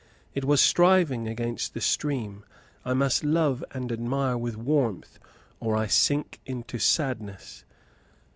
It was striving against the stream. I must love and admire with warmth, or I sink into sadness.